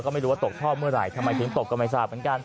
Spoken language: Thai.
ก็ไม่รู้ว่าตกท่อเมื่อไหร่ทำไมถึงตกก็ไม่ทราบเหมือนกัน